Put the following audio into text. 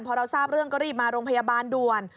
พอเราทราบเรื่องก็รีบมาโรงพยาบาลด่วน